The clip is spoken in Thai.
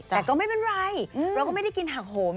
แต่ก็ไม่เป็นไรเราก็ไม่ได้กินหักโหม